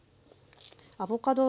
アボカド